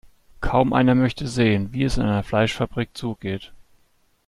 Kaum einer möchte sehen, wie es in einer Fleischfabrik zugeht.